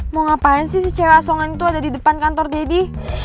mau ngapain sih si cewek asongan itu ada di depan kantor deddy